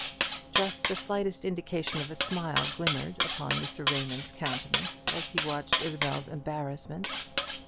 Just the slightest indication of a smile glimmered upon Mr. Raymond's countenance as he watched Isabel's embarrassment.